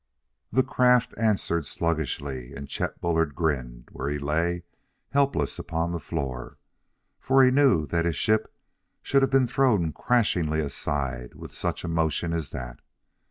The craft answered sluggishly, and Chet Bullard grinned where he lay helpless upon the floor; for he knew that his ship should have been thrown crashingly aside with such a motion as that.